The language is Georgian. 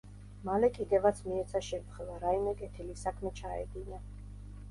მალე კიდევაც მიეცა შემთხვევა, რაიმე კეთილი საქმე ჩაედინა.